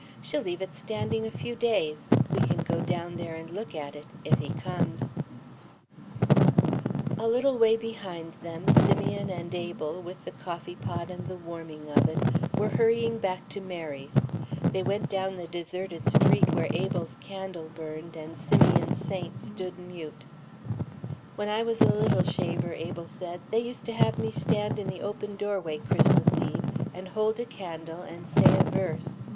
"She'll leave it standing a few days. We can go down there and look at it if he comes." [Illustration: "THEIR WAY LED EAST BETWEEN HIGH BANKS OF SNOW"] A little way behind them, Simeon and Abel, with the coffee pot and the warming oven, were hurrying back to Mary's. They went down the deserted street where Abel's candle burned and Simeon's saint stood mute. "When I was a little shaver," Abel said, "they used to have me stand in the open doorway Christmas Eve, and hold a candle and say a verse.